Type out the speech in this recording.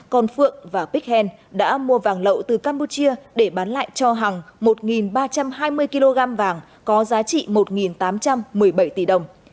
còn phượng và bích hèn đã mua vàng lậu từ campuchia để bán lại cho hằng một ba trăm hai mươi kg vàng có giá trị một tám trăm một mươi bảy tỷ đồng